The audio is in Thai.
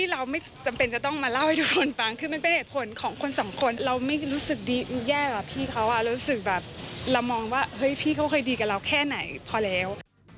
เรามองว่าพี่เค้าเคยดีกับเราแค่ไหนพอแล้ว